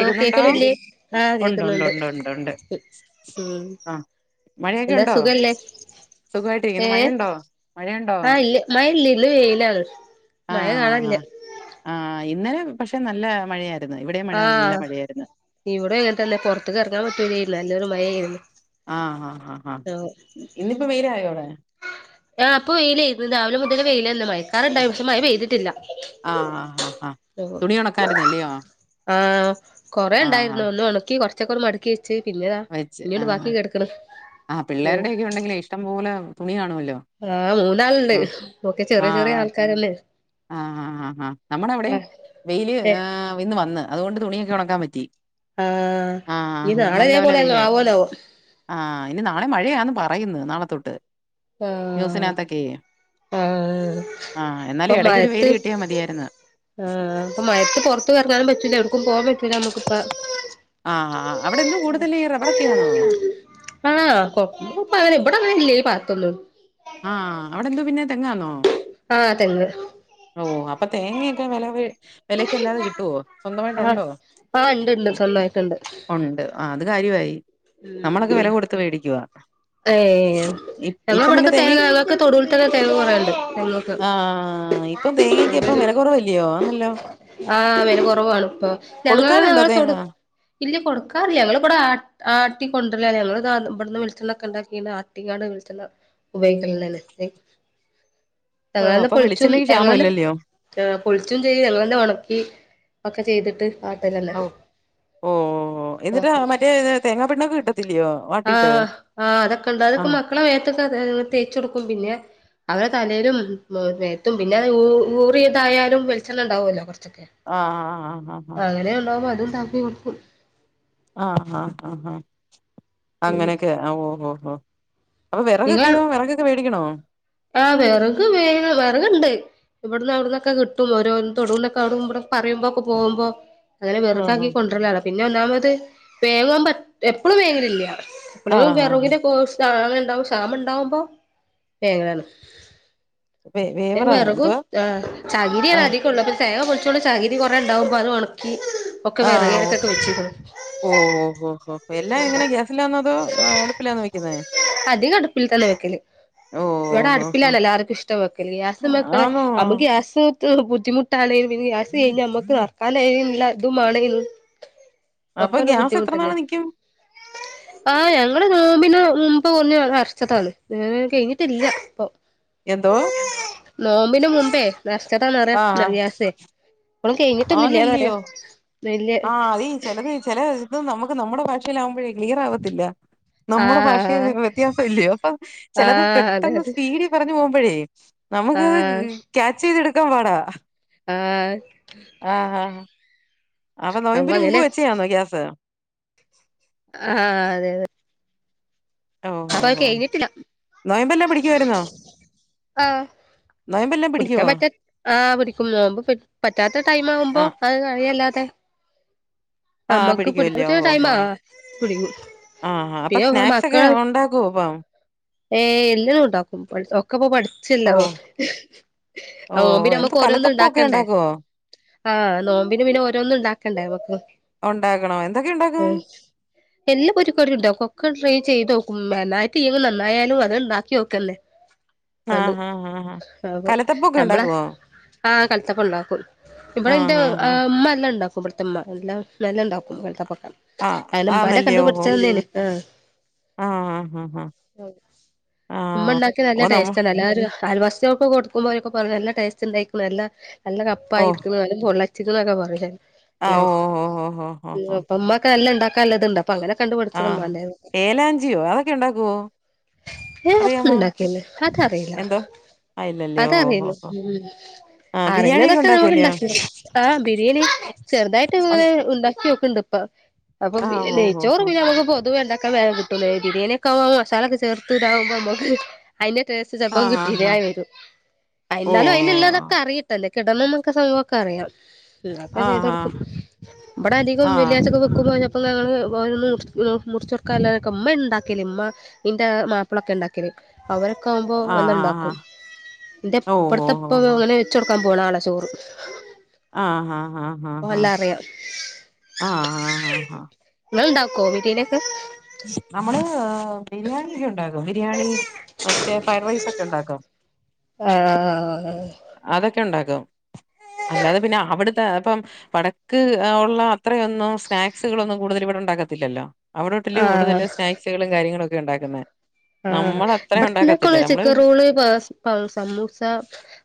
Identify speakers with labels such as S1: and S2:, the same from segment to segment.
S1: ഓ കേക്കണില്ലേ ആഹ്
S2: ഒണ്ട് ഒണ്ട്
S1: കേക്കുന്നുണ്ട്
S2: ഒണ്ട് ഒണ്ട് ഒണ്ട് ഒണ്ട്
S1: ഉം
S2: ആ മഴയൊക്കെ ഉണ്ടോ
S1: ഏ
S2: സുഖമായിട്ടിരിക്കുന്നു മഴയുണ്ടോ മഴയുണ്ടോ
S1: ആ ഇല്ല മഴല്യന്ന് വെയിലാണ്.
S2: ആ
S1: മഴ കാണാൻല്ല.
S2: ആ ആ ഇന്നലെ പക്ഷെ നല്ല മഴയായിരുന്ന് ഇവിടേം മഴ നല്ല
S1: ആഹ്
S2: മഴയായിരുന്നു
S1: ഇവിടെങ്ങനെ തന്നെ പുറത്ത്ക്കെർങ്ങാൻ പറ്റൂലേര്ന്ന് നല്ലൊരു മഴേര്ന്ന്.
S2: ആഹ് ആഹ് ആഹ് അ ഇന്നിപ്പോ വെയ്ലായൊവിടെ?
S1: ആ പ്പൊ വെയിലേര്ന്ന് രാവിലെ മുതല് [unintelligible] ക്കാറുണ്ടായ് പക്ഷെ മഴ പെയ്തിട്ടില്ല
S2: ആ ആ ആ ആ തുണി ഉണക്കാരുന്നല്ലയോ
S1: [inaudible] ആഹ്
S2: ആ ആ
S1: കൊറെേണ്ടായിരുന്നു ഒന്ന് ഉണക്കി കൊർ ചോക്കെന്ന് മട്ക്കിച്ച് പിന്നെതാ
S2: വെച്ച്
S1: ഞ്ഞി
S2: ആ
S1: ണ്ട് ബാക്കി കെട്ക്ക്ണ്.
S2: ആ പിള്ളേരുടെ ഒക്കെ ഉണ്ടെങ്കില് ഇഷ്ടംപോലെ തുണി കാണുമല്ലോ?
S1: ആഹ് മൂന്നാൾണ്ട്
S2: ആ
S1: ക്കെ
S2: ആ
S1: ചെറിയ ചെറിയ ആൾക്കാരന്നെ.
S2: ആ ആ ആ ഹാ നമ്മുടെ അവിടെയും
S1: ആഹ്
S2: വെയില് ആ
S1: ഏഹ്
S2: വിന്ന് വന്ന് അതുകൊണ്ട് തുണിയൊക്കെ ഉണക്കാൻ പറ്റി.
S1: ആ
S2: ആ
S1: ഇനി നാളെതേ പോലെ അങ്ങ് ആവോന്നാവോ?
S2: ആ ഇനി നാളെ മഴയാന്ന് പറയുന്നു നാളെ തൊട്ട്
S1: ആഹ്
S2: ന്യൂസിനകത്തൊക്കെയ്.
S1: ആഹ്
S2: ആഹ
S1: ഇപ്പൊ
S2: എന്നാലും ഇടക്കൊരു
S1: മഴത്ത്
S2: വെയില് കിട്ടിയാമതിയായിരുന്ന്.
S1: ആഹ് പ്പ മഴത്ത് പുറത്തവറങ്ങാനും പറ്റൂല്ല എവിടക്കും പോൻ പറ്റ
S2: ആ ആ അവിടെ എന്ത കൂടുതൽ ഈ റബ്ബറക്കെയാന്നൊ?
S1: ആ കൊ കൊപ്പ അവന ബടെ അങ്ങനെല്യ ഈ പത്തൊന്നും.
S2: ആഹ അവിടെ എന്തോ പിന്നെ തെങ്ങാന്നോ?
S1: ആഹ തെങ്ങ്.
S2: ഓ അപ്പൊ തേങ്ങയൊക്കെ വലവെ വെലക്കല്ലാതെ കിട്ടുവോ
S1: ആഹ്
S2: സ്വന്തമായിട്ടുണ്ടോ?
S1: ആഹ് ഇണ്ട് ഇണ്ട് സ്വന്തമായിട്ടുണ്ട്
S2: ഉണ്ട് അ അത് കാര്യമായി നമ്മളൊക്കെ വില കൊടുത്ത് മേടിക്കുവാ.
S1: ഏ
S2: ഇപ്പം പിന്നെ
S1: ഞങ്ങളവിടൊക്കെ തേങ്ങ ഞങ്ങക്ക് തൊടുവിൽ തന്നെ തേങ്ങ കുറേയുണ്ട് ഞങ്ങക്ക്.
S2: ആഹ് ഇപ്പം തേങ്ങക്ക് അപ്പം വില കുറവല്ലയോ ആന്നല്ലോ.
S1: ആ വെല കുറവാണ് ഇപ്പൊ ഞങ്ങ
S2: കൊടുക്കാനുണ്ടോ തേങ്ങ
S1: ഞങ്ങളെതൊട് ഇല്യ കൊടുക്കാറില്ല ഞങ്ങള്ബടെ ആട്ട് ആട്ടി കൊണ്ടരലാണ് ഞങ്ങള്താ ഇബ ട്ന്ന് വളിച്ചെണ്ണക്കെണ്ടാക്കീണ്ട് അട്ടിങ്ങാണ്ട് വെളിച്ചെണ്ണ [unintelligible]
S2: ഓഹ്
S1: ങ്ങളെന്നെ
S2: അപ്പൊ
S1: പൊൾച്ചും
S2: വെളിച്ചെണ്ണക്ക് ക്ഷാമം
S1: ഞങ്ങളെന്നെ
S2: ഇല്ലല്ലയോ
S1: ആ പൊൾച്ചും ചെയ്യും ഞങ്ങളെന്നെ ഒണക്കി ഒക്കെ ചെയ്തിട്ട് ആട്ടലെന്നെ
S2: ഔ ഓ ഓ ഓ എന്നിട്ട്
S1: അപ്പം
S2: മറ്റേ തേങ്ങാ പിണ്ണാക്ക് കിട്ടത്തില്ലയോ? വാട്ടിയിട്ട്
S1: ആഹ് ആഹ് അതൊക്കെ ഉണ്ട്. അതൊക്കെ
S2: ആഹ്
S1: മക്കളെ മേത്തൊക്കെ തേച് കൊടുക്കും പിന്നെ അവരെ തലയിലും മേത്തും പിന്നെ ഊ ഊറിയതായാലും വെളിച്ചെണ്ണ ണ്ടാവുമല്ലോ കുറച്ചൊക്കെ
S2: ആഹ് ആഹ്
S1: അങ്ങനെ ഉണ്ടാവുമ്പോ [unintelligible]
S2: ആഹ് ആഹ് ആഹ് ആഹ അങ്ങനെയൊക്കെ ഓ ഓ ഹൊ. അപ്പൊ വിറകൊക്കെയോ
S1: നിങ്ങള്
S2: വിറകൊക്കെ വേടിക്കണോ?
S1: ആഹ് വിറക് വെ വിറക്ണ്ട് ഇവിടന്ന് അവിടന്നൊക്കെ കിട്ടും ഓരോ തൊടുന്നൊക്കെ [unintelligible] പറയുമ്പൊ ഒക്കെ പോകുമ്പോ അങ്ങനെ വെറകാക്കി
S2: ആഹ്
S1: കൊണ്ടരലാണ്. പിന്നെ ഒന്നാമത് വേങ്ങാൻ പറ്റ എപ്പോഴും വേങ്ങലില്ല [unintelligible]
S2: ആഹ് ആഹ്
S1: [unintelligible] ഉണ്ടാവും ശ്യാമ ഉണ്ടാവുമ്പോ വേങ്ങാണ്
S2: വേ
S1: ന്നെ
S2: വേവറ
S1: വെർകും
S2: എന്തുവാ
S1: ആ ചകിരി
S2: ആഹ്
S1: അതി ഉള്ളപ്പം തേങ്ങ പൊളിച്ചോണ്ട് ചകിരി കുറെ ഉണ്ടാവുമ്പോ അത് ഉണക്കി ഒക്കെ
S2: ആഹ് ഓ
S1: വേറെയാടുത്തൊക്കെ വെച്ചീക്കുണു
S2: ഓ ഓ ഓ ഹോ എല്ലാം എങ്ങനെ ഗ്യാസിലാന്നോ അടുപ്പിലാന്നോ വെക്കുന്നേ
S1: അധികം അടുപ്പിൽ തന്നെ വെക്കല്
S2: ഓ
S1: ഇവിടെ
S2: ഓ ഓ
S1: അടുപ്പിലാണല്ലാർക്കും ഇഷട്ടം വെക്കല് ഗ്യാസ്മേക്ക്ണ
S2: ആന്നോ
S1: അമ്മക്ക് ഗ്യാസ് ബുദ്ധിമുട്ടാണേൽ പിന്നെ ഗ്യാസ് കഴിഞ്ഞ മ്മക്ക് നർക്കാനേയ്ൻള്ള ഇതും മാണെ
S2: അപ്പൊ
S1: ഒക്കൊരു
S2: ഗ്യാസ് എത്ര നാള്
S1: ബുദ്ധിമുട്ടല്ലേ.
S2: നിക്കും
S1: ആ ഞങ്ങള് നോമ്പിന് മുമ്പ് ഒന്ന് നർച്ചതാണ് വേ കഴഞ്ഞി ത്തില്ല ഇപ്പൊ
S2: എന്തോവാ?
S1: നോമ്പിന്റെ മുമ്പേ നർച്ചതാന്നറിയ ഗ്യാസേ. ഇപ്പളും കഴിഞ്ഞിട്ടൊന്നുല്ലാന്നറിയാ
S2: ആവുന്നില്ലയോ?
S1: വല്യ
S2: ആ അത് ചെലത് ചില ഇത് നമുക്ക് നമ്മുടെ ഭാഷ യില ആവുമ്പയേ ക്ലിയർ ആവത്തില്ല. നമ്മുടെ ഭാഷയിൽ
S1: ആഹ്
S2: നിന്ന് വ്യത്യാസം ഇല്ലയോ? അപ്പൊ ചിലത്
S1: ആഹ് അതെ
S2: പെട്ടെന്ന്
S1: അതെ
S2: സ്പീഡിൽ പറഞ്ഞു പോകുമ്പോയേ നമക്ക് അത്
S1: ആഹ്
S2: കാച്ച് ചെയ്ത് എടുക്കാൻ പാടാ.
S1: ആഹ്.
S2: ആഹാ ആഹ് അപ്പൊ നോയമ്പിന് മുമ്പ് വെച്ചയാന്നോ ഗ്യാസ്?
S1: ആഹ് അതെ അതെ.
S2: ഓ ഹോ
S1: അപ്പൊ അത് കഴിഞ്ഞിട്ടില്ല
S2: നോയമ്പ് എല്ലാം പിടിക്കായിരുന്നോ?
S1: ആഹ് പിടിക്കാൻ പറ്റാ ആ പിടിക്കും നോമ്പ് പിടി പറ്റാത്ത ടൈമ് ആകുമ്പോ
S2: ആഹ്
S1: അത് കളയല്ലാതെ
S2: ആഹ്
S1: നമ്മക്ക്
S2: പിടിക്കുവല്ലേ
S1: പിടിക്കാത്ത ടൈമാ പിടിക്കും.
S2: ആ ഹ അപ്പൊ
S1: പിന്നെ
S2: സ്നാക്സ് ഒക്കെ ഉണ്ടാക്കുവോ അപ്പം.
S1: ഏയ് എല്ലും ഉണ്ടാക്കും പഠി ഒക്കെപ്പോ പഠി ചില്ല
S2: ഓഹ്
S1: ഓ
S2: ഓഹ്
S1: നോമ്പിന്
S2: എന്ത്
S1: നമ്മക്ക് ഓരോന്ന്
S2: കലത്തപ്പൊക്കെ
S1: ഉണ്ടാക്കണ്ടേ
S2: ഉണ്ടാക്കുവോ
S1: ആഹ് നോമ്പിന് പിന്നെ ഓരോന്നും ഉണ്ടാക്കണ്ടേ ക്ക്
S2: ആണോ എന്തക്കെ ഇണ്ടാക്കും
S1: എല്ലാം പൊരികടി ണ്ടാകും ഒക്കെ ട്രൈ ചെയ്തോക്കും. നന്നായില്ലങ്കിൽ നന്നായാലും അത് ഉണ്ടാക്കി നോക്കല്ലേ.
S2: ആഹ് ആഹ് കലത്തപ്പൊക്കെ ഉണ്ടാക്കുവോ
S1: ആ കൽത്തപ്പം ണ്ടാക്കും. ഇവടെ ഇന്റെ
S2: ആഹ് ആഹ് ആഹ്
S1: ഉമ്മ എല്ലാം ഉണ്ടാക്കും ഇബട് ത്തമ്മ എല്ലാം നല്ല ഉണ്ടാക്കും. കൽത്തപ്പൊക്കേ
S2: ആഹ്
S1: അയന്നെ ഇമ്മന്റെ
S2: ആന്നല്ലേ ഓഹോ
S1: കണ്ടുപടിച്ചണന്നെനി ആ
S2: ആഹ് ആഹ് ആഹ്.
S1: ഇമ്മ
S2: ആഹ്
S1: ഇണ്ടാക്കിയ നല്ല
S2: ഓ നമ്മ
S1: ടേസ്റ്റ് എല്ലാരു അയൽവാസിൾകൊക്കേ കൊടുക്കുമ്പോ ഓരോക്കെ പറയും നല്ല ടേസ്റ്റ് ഉണ്ടായിക്കുണു അല്ല നല്ല
S2: ഓ
S1: കപ്പായി ഇരിക്ക്‌ണ് [unintelligible] ചിത്ക്കെ പറയും
S2: ആഹ് ഓ
S1: എല്ലാരും
S2: ഓ ഓ ഓ ഓ ഓ
S1: അപ്പം. ഇമ്മാക്ക് നല്ലാണ്ടാക്കാല്ലത്ണ്ട് അപ്പ അങ്ങനെ കണ്ട് പഠിച്ചതാ
S2: ആഹ്
S1: ഉമ്മാന്റേത്
S2: ഏലാഞ്ചിയോ അതൊക്കെ ണ്ടാക്കുവോ?
S1: ഏ അക്കന്നുണ്ടാക്കല്ല. അതറിയില
S2: എന്തോ ആ ഇല്ലല്ലേ
S1: അത
S2: ഓ ഓ ഓ
S1: അറിയല്ലു
S2: ഓ
S1: ഉം
S2: ആ ബിരിയാണിയൊക്കെ
S1: അറിയുന്നതൊക്കെ നമുക്ക്
S2: ഉണ്ടാക്കൂല്ലയോ
S1: ഇണ്ടാകും. ആ ബിരിയാണി ചെറുതായിട്ട് ഇങ്ങനെ ഉണ്ടാക്കി നോക്ക്‌ണ്ട് ഇപ്പം. അപ്പൊ
S2: ആഹ് ഓ ഓ
S1: നെയ്‌ച്ചോറ്
S2: ഓ
S1: പിന്നെ നമുക്ക് പൊതുവേ ഇണ്ടാക്കാൻ വേഗം കിട്ടൂനലെ. ബിരിയാണി ഒക്കെ ആവു [unintelligible] മസാല ചെർത്ത് ഇതാവുമ്പോ മ്മക്ക് അയിന്റെ ടെസ് ചെലപ്പം
S2: ആഹ് ആഹ്
S1: കിട്ടില്ല്യാ
S2: ആഹ്
S1: വെരും
S2: ഓ
S1: എന്നാലും
S2: ഓ
S1: അയിന്ഉള്ളതൊക്കെ അറി [unintelligible] കിടന്ന നമ്മക്ക് ആ സംഭവൊക്കെ അറിയാം ൽ ഒക്കെ
S2: ആഹ്
S1: ചെയ്തോടുക്കും.
S2: ആഹ്
S1: ബടെ അതികും വെള്ളിഴ്ച ഒക്കെ വെക്കുമ്പോ പിന്നേ അപ്പൊ ഞങ്ങള് ഓരോന്ന് മുർ മു മുറിച്ചോർക്കാ ഉള്ളതൊക്കെ ഉമ്മ ഉണ്ടാക്കല് ഉമ്മ ഇന്റെ മാപ്പിളൊക്കെ ഇണ്ടാ അവരൊക്കെ ആവുമ്പോ
S2: ആഹ്
S1: വല്ലാം
S2: ആഹ് ആഹ്
S1: ണ്ടാക്കും.
S2: ആഹ്
S1: ഇന്റെ
S2: ഓ ഓ
S1: ഇബടത്ത
S2: ഓ
S1: ഇപ്പ
S2: ഓ
S1: അങ്ങനെ ച്ച് കൊടുക്കാൻ പോണാളാ ചോറ്
S2: ആഹ് ഹാ ഹാ ഹാ
S1: ഓഹ്
S2: ഹാ
S1: എല്ലാം അറിയാം
S2: ആഹ് ആഹ് ഹാ ഹാ
S1: ങ്ങൾ ഉണ്ടാക്കോ ബിരിയാണിക്കെ?
S2: നമ്മള് ബിരിയാണിയൊക്കെ ഉണ്ടാക്കും ബിരിയാണി മറ്റേ ഫ്രൈഡ് റൈസ് ഒക്കെ ഉണ്ടാക്കും.
S1: ആ ആ ആ ആ.
S2: അതൊക്കെ ഉണ്ടാക്കും അല്ലാതെ പിന്നെ അവിടുത്തെ പ്പം വടക്ക് അ ഉള്ള അത്രയൊന്നും സ്നാക്സുകളൊന്നും കൂടുതലും ഇവിടെ ഉണ്ടാക്കത്തില്ലല്ലോ അവിടെ [unintelligible] കൂടുതൽ
S1: ആഹ്
S2: സ്നാക്സുകളും കാര്യങ്ങളും ഒക്കെ ഉണ്ടാക്കുന്നേ.
S1: [unintelligible]
S2: നമ്മളത്രയും ഉണ്ടാക്കത്തില്ല. നമ്മള് പിന്നെ
S1: പ്പം സമൂസ,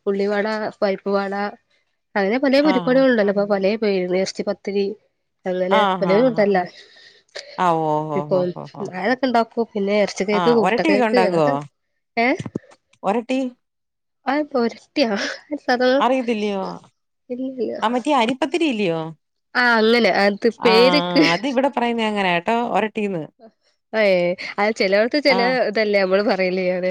S1: ഉള്ളിവട, പരിപ്പ്‌വട അങ്ങനെ പലേ പൊരി
S2: ആഹ്
S1: കടികളുണ്ടല്ലോ ഇപ്പം പലേ പേരിലും [unintelligible]
S2: ആഹ് ആഹ് ആഹ് ആവോ
S1: [unintelligible] അതൊക്കെണ്ടാക്കും പിന്നെ ഇറച്ചികേക്ക്,
S2: ആഹ് ഒരട്ടിയൊക്കെ
S1: മുട്ടകേക്ക്
S2: ഉണ്ടാക്കുവോ?
S1: അങ്ങനത്തെ ഏഹ്
S2: ഒരട്ടി
S1: അത് പൊരട്ടിയ അതൊ
S2: അറിയത്തില്ലയോ?
S1: [unintelligible]
S2: പത്തിരില്യയോ?
S1: ആ അങ്ങനെ അത് പേര്ക്ക്.
S2: പറയുന്നങ്ങനാട്ടോ ഒര
S1: ഏ അത് ചിലവർക്ക് ചില
S2: ആഹ്
S1: ഇതല്ലേ മ്മള് പറയല് അത്.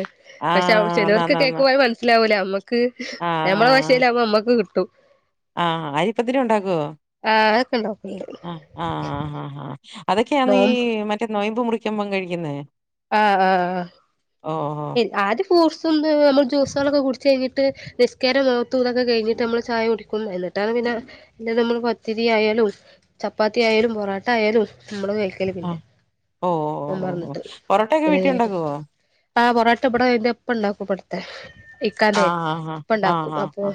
S1: പക്ഷെ
S2: ആഹ്
S1: ചിലവർക്ക്
S2: ന്നാന്നാന്ന്
S1: കേൾക്കു അത് മനസ്സിലാവൂല. മ്മക്ക്
S2: ആഹ്
S1: ഞമ്മളെ ഭാഷയിലാവുമ്പോ മ്മക്ക് കിട്ടും.
S2: ആ അരിപ്പത്തിരി ഉണ്ടാക്കോ?
S1: ആഹ് അതൊക്കെ ഇണ്ടാക്കല്ണ്ട്
S2: അ ആഹ ആ ആഹാ ഹാ. അതൊക്കെയാന്നി ഈ
S1: നോമ്പ്
S2: മറ്റേ നൊയിമ്പ് മുറിക്കുമ്പം കഴിക്കുന്നെ.
S1: അ ആ ആ. ആദ്യം ഫ്രൂഡ്സും ദ് മ്മള് ജ്യൂസോളുംക്കെ കുടിച്ച് കഴിഞ്ഞിട്ട്, നിസ്കാരും ഓത്തും തൊക്കെ കഴിഞ്ഞിട്ട് മ്മള് ചായ കുടിക്കും. എന്നിട്ടാണ് പിന്ന പിന്നെ നമ്മള് പത്തിരി ആയാലും, ചപ്പാത്തി ആയാലും, പൊറോട്ട ആയാലും നമ്മള് കഴിക്കും. [unintelligible] പിന്നെ
S2: ആഹ് ഓ ഓ ഓ ഓ
S1: നോമ്പർന്നിട്ട്.
S2: പൊറോട്ടയൊക്കെ വീട്ടി ഉണ്ടാക്കുവോ
S1: [unintelligible] ആ പൊറാട്ട ഇബടെ ന്റെപ്പണ്ടാക്കും പട് ഇക്കാന്റെ
S2: ആഹ്
S1: ഇപ്പ ഉണ്ടാക്കും.
S2: ആഹ്
S1: അപ്പൊ
S2: ആഹ്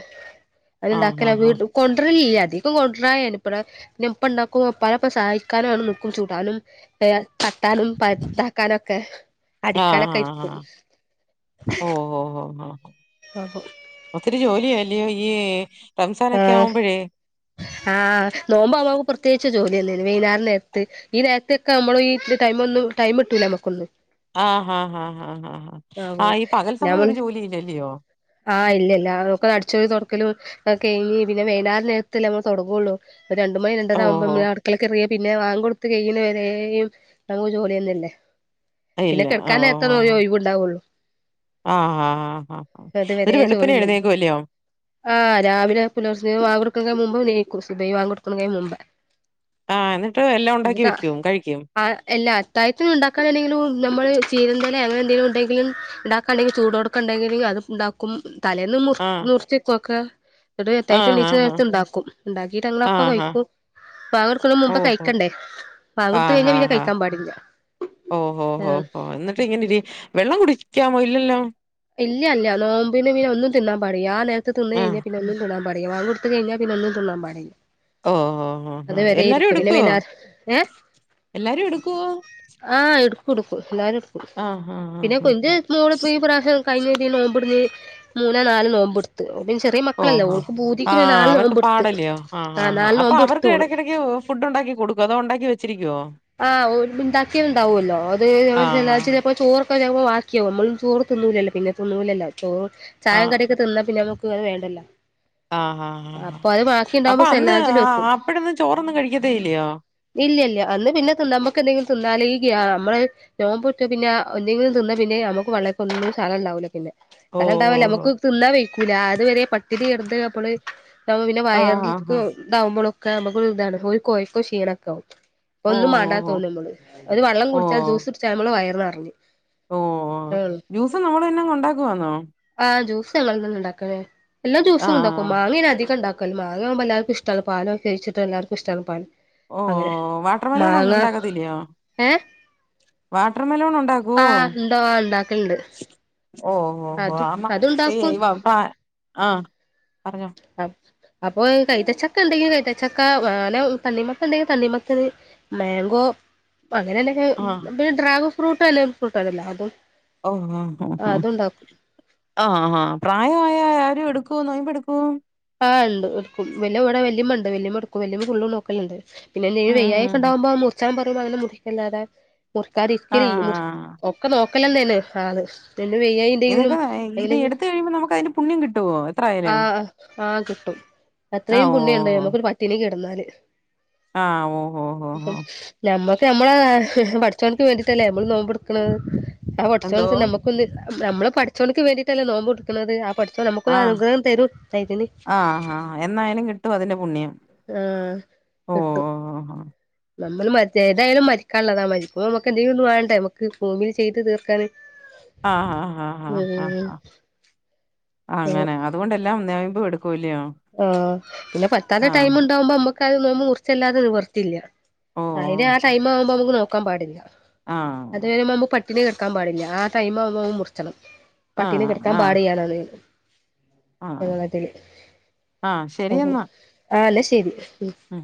S2: ആഹ്
S1: അത്ണ്ടാക്കല്
S2: ആഹ് ആഹ്
S1: വീണ്ടും, കൊണ്ടരരില്യ. അധികം കൊണ്ടരാ [unintelligible] ന്ന ഇപ്പണ്ടാക്കും. ഉപ്പാന്റെപ്പം സഹായിക്കാനും ആണ് നിക്കും, ചുടാനും തട്ടാനും പരത ത്താനൊക്കെ
S2: ആഹ്
S1: അടിക്കാനൊക്കെ ഇരിക്കും.
S2: ഓഹോ ഹാ ഹാ.
S1: [unintelligible]
S2: ഒത്തിരി ജോലിയല്ലയോ ഈ റംസാനൊക്കെ ആവുമ്പോഴേ.
S1: ആ നോമ്പാവുമ്പം പ്രത്യേകിച്ച് ജോലിയന്നേണ് വൈന്നാരം നേര്ത്ത്. ഈ നേരത്ക്കെവുമ്പള് ഈ ടൈമൊന്നും ടൈമ് കിട്ടൂലമ്മക്കൊന്നും.
S2: ആഹ് ഹാ ഹാ ഹാ
S1: അപ്പൊ
S2: ആഹ് ഈ പകൽ സമയം ഒരു ജോലില്യയോ?
S1: ആ ഇല്യല്ല. ഒക്കെ അടിചുവാരി തൊടക്കലും കഴിഞ്ഞ് പിന്നെ വൈന്നാരം നേരത്തല്ലേ നമ്മള് തൊടങ്ങുള്ളു. ഒരു രണ്ടുമണി
S2: ഓ ഓ
S1: രണ്ടരവുമ്പോമ്മള് അടുക്കളെ കേറിയ, പിന്നെ വാങ്കോടുത്ത് കഴിയണവരേയും [unintelligible] ജോലിന്നല്ലേ. പിന്നെ
S2: ഇല്ല ആ,
S1: കെടക്കാൻ നേരതൊന്നൊഴിവുണ്ടാവുള്ളൂ.
S2: ആ ആ ആഹ ഇരു വെളുപ്പനെ എഴുന്നേക്കുവല്ലയോ.
S1: ആ രാവിലെ പുലർച്ച വാങ്കോടുക്കുന്നതിന് മുമ്പ് ണീക്കും. സുബഹി വാങ്കെടുക്കുന്നതിന് മുമ്പേ.
S2: ആ എന്നിട്ട് എല്ലാം ഉണ്ടാക്കി വെക്കും, കഴിക്കും.
S1: ആ അല്ല അത്തായത്തിന് ഉണ്ടാക്കാനെണ്ടെങ്കിലും, നമ്മള് ചീരന്റെലേ അങ്ങനന്തെിലും ഉണ്ടെങ്കിലും, ഉണ്ടാക്കാണ്ടെങ്കിൽ ചൂടോടക്കും ക്കെണ്ടെങ്കില് അത് ഉണ്ടാക്കും. തലേന്ന് മുർ
S2: ആഹ്
S1: മൂർച്ചിക്കോക്കെ. ന്നട്ട്
S2: ആഹ്
S1: അത്തായത്തിന്ണീച്ച്
S2: ആഹ് ആഹ്
S1: ട്ട്ണ്ടാക്കും. ഇണ്ടാക്കീട്ടങ്ങളപ്പം
S2: ആഹാ.
S1: കഴിക്കും. ബാങ്കൊടുക്കുണന്റെ മുമ്പ്
S2: ഓഹോ!
S1: കഴിക്കണ്ടേ. ബാങ്കോടുത്ത് കഴിഞ്ഞാൽ പിന്നെ കഴിക്കാൻ പാടില്ല.
S2: ഓ ഹോ ഓ
S1: അതാണ്
S2: ഹോ എന്നിട്ട് ഇങ്ങനെ രി വെള്ളം കുടിക്കാമോ, ഇല്ലല്ലോ?
S1: ഇല്യ ല്ല നോമ്പിന് പിന്നെ ഒന്നും തിന്നാൻ പാടിയ്യ. ആ നേരത്ത് തിന്ന്
S2: ആ.
S1: കഴിഞ്ഞാ പിന്നെ ഒന്നി തിന്നാൻ പാടിയ്യ. വാങ്കൊട്ത്ത് കഴിഞ്ഞാ പിന്നൊന്നും തിന്നാൻ പാടില്ല.
S2: ഓ ഓ ഓ
S1: അത്
S2: ഹ
S1: വരെ
S2: എല്ലാരും
S1: ഇരിക്കും പിന്നെ
S2: എടുക്കുവോ?
S1: വൈന്നാ ഏഹ്
S2: എല്ലാരും എടുക്കോ?
S1: ആഹ് എടുക്കും എടുക്കും എല്ലരും എടുക്കും. പിന്നെ
S2: ആഹാഹാഹാഹാ.
S1: [unintelligible] മോള് ഈ പ്രാവശ്യം കഴിഞ്ഞ രി നോമ്പടുന്ന് മൂന്നേ നാല് നോമ്പുടു ശെറിയേ മക്കളല്ലേ,
S2: ഓഹോ!
S1: ഓക്ക് ഭൂതിക്ക്
S2: ആ
S1: പിന്നെ നാലു
S2: അവർക്ക്
S1: നോമ്പ്ടുത്ത്.
S2: പാടല്ലയോ?
S1: ആഹ നാല് നോമ്പ്ട്ത്ത് ഓള്.
S2: ഫുഡ്ണ്ടാകികൊടുക്കോ? അതോ ഉണ്ടാക്കി വെച്ചിരിക്കോ?
S1: ആഹ ഉണ്ടാക്കിയണ്ടാവുല്ലോ, അത് നമ്മ
S2: ആഹാ.
S1: [unintelligible] ചോർ [unintelligible] വാക്കിയാവും നമ്മളുചോറ് തിന്നുലല്ലോ. പിന്നെ തിന്നൂലല്ലോ. ചോറ്
S2: ആ.
S1: ചായേം കടിയൊക്കെ, തിന്നാ പിന്നെ നമുക്ക് അത് വേണ്ടല്ലാ.
S2: ആ ഹാ ഹാ അപ്പൊ അന്ന്
S1: സെല്ലാജിൽ
S2: ആ
S1: വെക്കും
S2: ആ അപ്പഴന്ന് ചോറൊന്നും കഴിക്കത്തെ ഇല്ലയോ.
S1: ഇല്ല്യല്ല്യ അന്ന് പിന്നെ തിന്ന നമ്മെക്കെന്തെങ്കില് ഈ ഗ്യാ നമ്മള്. നോബുറ്റ് പിന്നെ ആ എന്തെങ്കിലും തിന്ന പിന്നെ നമ്മക്ക് പള്ളേക് ഒന്നും സലംണ്ടാവുല പിന്നെ. സലംണ്ടാവല്ല
S2: ഓഹോഹോ!
S1: നമ്മുക്ക് തിന്നാ വയിക്കൂല അത് വരെ പട്ടിണികെട്ന്ന് അപ്പള്. താവുബോ പിന്നെ
S2: ആഹാഹാ.
S1: വയറിൽകും ഇതാവുമ്പോളൊക്കെ നമ്മക്കൊരു താണ്. ഒരു കോയക്കോ ക്ഷീണൊക്കെവും. ഒന്നും മാണ്ട
S2: ഓഹോഹോ!
S1: തോന്നു മ്മള് ഒരു വള്ളം കുടിച്ചാ ജ്യൂസ്ടുച്ചാ നമ്മള് വയറ്ന്നർഞ്ഞ്
S2: ഓ ഓ ജ്യൂസും നമ്മൾന്നെഅങ്ങ് ഉണ്ടാക്കുവാന്നോ
S1: ആഹ് ജ്യൂസ് ഞങ്ങളന്നെണ്ടാക്കലേ എല്ലാ ജ്യൂസുംണ്ടാക്കും.
S2: ആഹ്
S1: മാങ്ങേണ് അധികംണ്ടാ ക്കൽ മാങ്ങകുമ്പോ എല്ലാർക്കുംഷ്ടണ് പാലൊക്കെഴിച്ചിട്ട് എല്ലാർകിഷ്ട്ടാണ് പാല് അങ്ങനെ
S2: പാലോണം
S1: മാങ്ങ
S2: ങ്‌ണ്ടാകത്തില്ലയോ
S1: ഏഹ്
S2: വാട്ടർ മെലോൺ ഉണ്ടാക്കോ
S1: ആഹ് ഉണ്ടോ ഉണ്ടാക്കലുണ്ട്
S2: ഓ ഓഹോ
S1: അത്
S2: ആമ്മ പി
S1: അതുണ്ടാക്കും
S2: [unintelligible] ആഹ പറഞ്ഞോ..
S1: അപ്പൊ കൈതച്ചക്കണ്ടെങ്കി കൈത ച്ചക്ക വാണെ തണ്ണിമത്തെണ്ടെങ്കി തണ്ണിമത്തൻ മെങ്കോ അങ്ങനെല്ലെങ്കി
S2: ആഹ്
S1: പി ഡ്രാഗൺ ഫ്രൂട്ട് വല്ല ഫ്രൂട്ട്ആണല്ലോ അതും
S2: ഓ ഒ ഹ്
S1: അതുണ്ടാക്കും
S2: ആ ആഹാ പ്രായമായ ആരുട് ഒ നോയമ്പ്ടുക്കും
S1: ആണ്ട് എടുക്കും വല്ല വിടെ വല്ലിമ്മണ്ട് വല്ലിമ്മടുക്കും വല്ലിമ്മ ഫുള്ളും നോക്കലണ്ട് പിന്നെ എന്നെ
S2: ഉം ഉം
S1: വെയ്യായി
S2: ഉം
S1: ക്കെണ്ടാവുമ്പോ മുറിച്ചാ പറയുമ്പൊ അങ്ങനെ മുറിക്കല്ലാതെ
S2: ആഹ്
S1: മുറിക്കാതിരിക്കലില്ല മുർ
S2: ആഹ്
S1: ഒ ക്കെനോക്കലന്നെണ് ആള് പിന്നെ വെയ്യായി
S2: ഇതൊക്കെ ഇത് എടുത്ത് കഴിയുമ്പോ നമുക്ക് അതിന്റെ പുണ്യം കിട്ടുവോ എത്രായാലും
S1: ആ കിട്ടും
S2: ആഹ്
S1: അത്രയും
S2: ഓ
S1: പുണ്യണ്ടോ നമ്മുക്കൊരു പട്ടിണി കെടന്നാല്
S2: ആഹ് ഓ ഓ ഓ ഓ
S1: ഞമ്മക്ക് നമ്മളെ ഹ്ഹ പടചോൻക്ക് വേണ്ടിട്ടല്ലേ മ്മള് നോമ്പ്ട്ക്ണത് ആ
S2: എന്തോ
S1: പടച്ചോൻക് നമുക്ക് ത് നമ്മള് പടചോൻക്ക് വേണ്ടിട്ടല്ലേ നോമ്പുടുക്കുണത് ആ പടച്ചോൻ നമുക്കൊരു അനുഗ്രഹം തെരും. [unintelligible]
S2: ആഹാ എന്നായാലും കിട്ടും അതിന്റെ പുണ്യം
S1: ആഹ്
S2: ഓ
S1: കിട്ടും..
S2: ഓ ഓ
S1: നമ്മള് മര് ഏതായാലും മരിക്കാന് ള്ളതാ മരിക്ക്മ്പോ നമ്മക്ക് എന്തെലും വേണ്ടേ നമ്മക്ക് ഭൂമി ചെയ്ത് തീർക്കാൻ ആ [inaudible]
S2: ആഹ ആ ആ അ
S1: ഉം
S2: അങ്ങനെ അതുകൊണ്ടല്ലാം നൊയമ്പ് ടുക്കുല്ലേയൊ
S1: ആഹ് പിന്നെ പറ്റാതെ ടൈം ണ്ടാവുമ്പോ നമ്മക്ക് അ നോമ്പ് മുറിച്ചല്ലാതെ നിവർത്തില്ല
S2: ഓ
S1: അയ്ന് ആ
S2: ഓ
S1: ടൈം ആവുബോ നമക്ക് നോക്കാ പാടില്ല..
S2: ആഹ്
S1: അത് വരുമ്പൊ നമ്മു പട്ടിണി കെട്ക്കാൻ പാടില്ല ആ ടൈം ആവുമ്പ മുറിച്ചണം.. പട്ടിണി
S2: ആഹ്
S1: കെട്ക്കാൻ
S2: ആഹ്
S1: പാടി [unintelligible]
S2: ആഹ്
S1: ഞങ്ങളതില്
S2: ആഹ്
S1: ഓഒ
S2: ശരിയെന്നാ
S1: ആല്ലെ ശരി ഉം
S2: ഉം